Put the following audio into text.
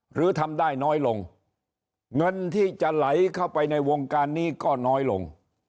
หรือทำได้น้อยลงเงินที่จะไหลเข้าไปในวงการนี้ก็น้อยลง